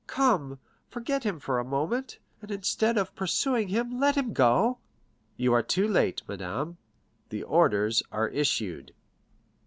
Come, forget him for a moment, and instead of pursuing him, let him go." "You are too late, madame; the orders are issued."